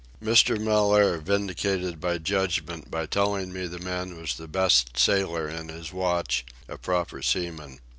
Mr. Mellaire vindicated my judgment by telling me the man was the best sailor in his watch, a proper seaman.